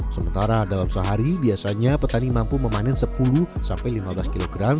sementara dalam sehari biasanya petani mampu memanen sepuluh sampai lima belas kg